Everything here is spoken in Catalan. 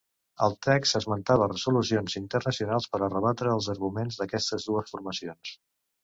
El text esmentava resolucions internacionals per a rebatre els arguments d’aquestes dues formacions.